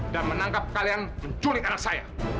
dan menangkap kalian menculik anak saya